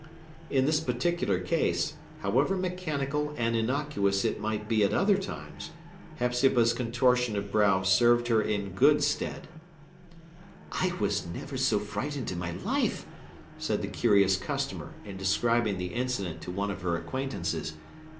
In this particular case, however mechanical and innocuous it might be at other times, Hepzibah's contortion of brow served her in good stead. "I never was so frightened in my life!" said the curious customer, in describing the incident to one of her acquaintances.